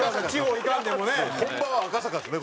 本場は赤坂ですね。